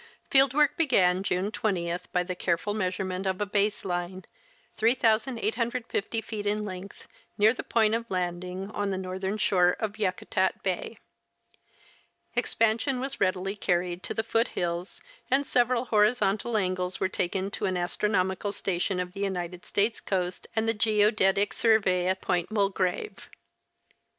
Field work began June 20 by the careful measurement of a base line, 3,850 feet in length, near the point of landing, on the northern shore of Yakutat bay. Expansion was readily carried to the foot hills, and several horizontal angles were taken to an astronomical station of the United States Coast and Geodetic Survey at Port Mulgrave.